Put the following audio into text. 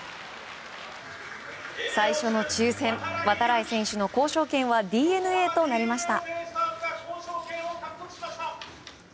最初の抽選、度会選手の交渉権はＤｅＮＡとなりました。